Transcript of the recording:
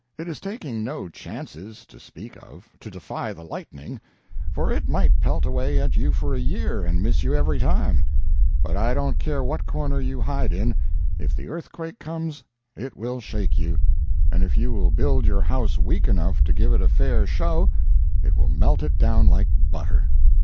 It is taking no chances to speak of to defy the lightning, for it might pelt away at you for a year and miss you every time—but I don't care what corner you hide in, if the earthquake comes it will shake you; and if you will build your house weak enough to give it a fair show, it will melt it down like butter.